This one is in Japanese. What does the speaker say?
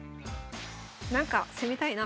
なんか攻めたいな。